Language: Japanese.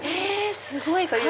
すごい！